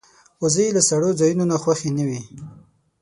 وزې له سړو ځایونو نه خوشې نه وي